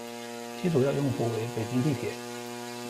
其主要用户为北京地铁。